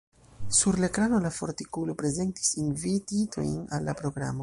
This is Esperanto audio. Sur la ekrano la fortikulo prezentis invititojn al la programo.